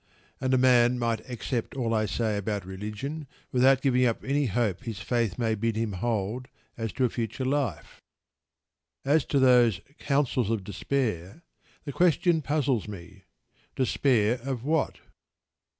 And a man might accept all I say about religion without giving up any hope his faith may bid him hold as to a future life. As to those "counsels of despair" the question puzzles me. Despair of what?